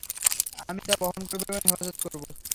আমি তা বহন করব এবং হিফাজত করব।